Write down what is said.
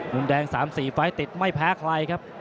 มุมแดง๓๔ไฟล์ติดไม่แพ้ใครครับ